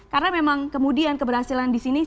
karena memang kemudian keberhasilan di sini